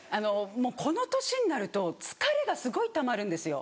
もうこの年になると疲れがすごいたまるんですよ。